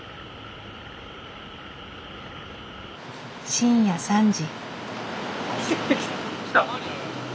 深夜３時。